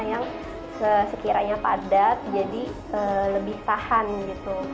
yang sekiranya padat jadi lebih tahan gitu